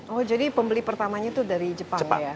oh jadi pembeli pertamanya itu dari jepang ya